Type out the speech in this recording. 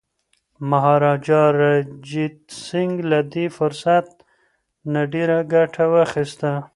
مهاراجا رنجیت سنګ له دې فرصت نه ډیره ګټه واخیسته.